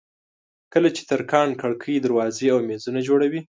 کله چې ترکاڼ کړکۍ دروازې او مېزونه جوړوي.